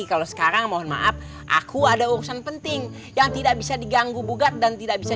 kalau sekarang mohon maaf aku ada urusan penting yang tidak bisa diganggu bugat dan tidak bisa